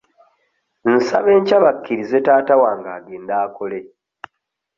Nsaba enkya bakkirize taata wange agende akole.